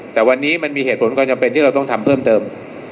แต่วันนี้มันมีเหตุผลความจำเป็นที่เราต้องทำเพิ่มเติม